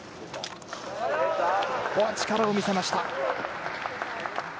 ここは力を見せました。